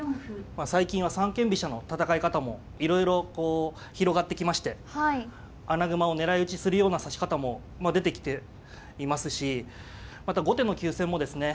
まあ最近は三間飛車の戦い方もいろいろこう広がってきまして穴熊を狙い打ちするような指し方もまあ出てきていますしまた後手の急戦もですね